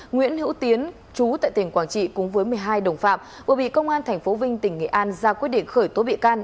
nguyễn hữu tiến chú tại tỉnh quảng trị cùng với một mươi hai đồng phạm vừa bị công an tp vinh tỉnh nghệ an ra quyết định khởi tố bị can